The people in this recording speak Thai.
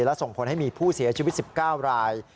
และส่งผลให้มีผู้เสียชีวิต๑๙ราย